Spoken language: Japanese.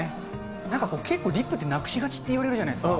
なんかこう、リップってなくしがちっていわれるじゃないですか。